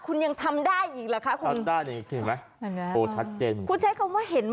คุณยังทำได้อีกเหรอคะคุณใช้คำว่าเห็นไหม